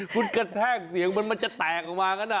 คุณกระแทกเสียงเหมือนมันจะแตกออกมางั้น